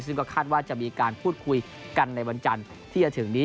ซึ่งก็คาดว่าจะมีการพูดคุยกันในวันจันทร์ที่จะถึงนี้